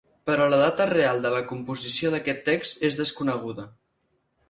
Però la data real de la composició d'aquest text és desconeguda.